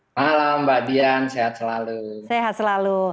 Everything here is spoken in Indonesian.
selamat malam mbak dian sehat selalu